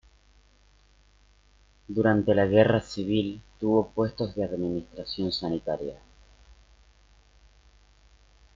Durante la Guerra Civil tuvo puestos de administración sanitaria.